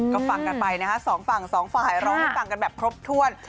ก็ฟังกันไปนะคะ๒ฝั่ง๒ฝ่ายเราฟังกันแบบครบถ้วน